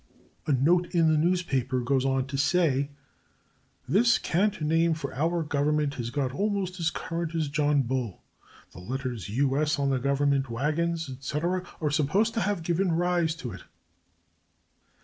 A note in the newspaper goes on to say "This cant name for our government has got almost as current as 'John Bull.' The letters 'U. S.' on the government wagons, etc., are supposed to have given rise to it."